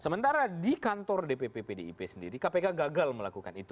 sementara di kantor dpp pdip sendiri kpk gagal melakukan itu